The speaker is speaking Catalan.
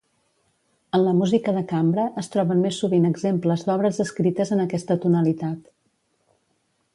En la música de cambra, es troben més sovint exemples d'obres escrites en aquesta tonalitat.